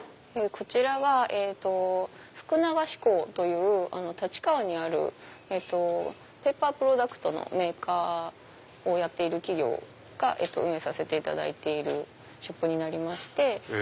こちらが福永紙工という立川にあるペーパープロダクトのメーカーをやっている企業が運営させていただいているショップになりまして。